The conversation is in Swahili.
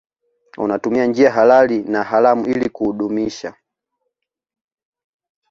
Unatumia njia halali na haramu ili kuudumisha